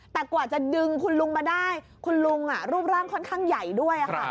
แต่กว่าจะดึงคุณลุงมาได้คุณลุงรูปร่างค่อนข้างใหญ่ด้วยค่ะ